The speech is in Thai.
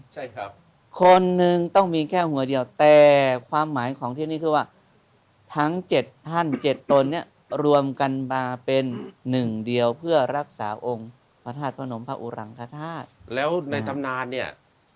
ใช่ครับคนหนึ่งต้องมีแค่หัวเดียวแต่ความหมายของที่นี่คือว่าทั้งเจ็ดท่านเจ็ดตนเนี่ยรวมกันมาเป็นหนึ่งเดียวเพื่อรักษาองค์พระธาตุพระนมพระอุรังคธาตุแล้วในตำนานเนี่ย